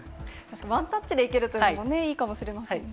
ワンタッチで行けるというのも、いいかもしれませんね。